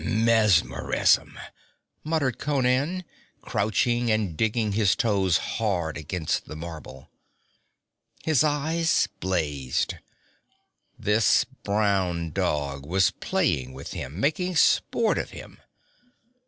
'Mesmerism!' muttered Conan, crouching and digging his toes hard against the marble. His eyes blazed. This brown dog was playing with him, making sport of him!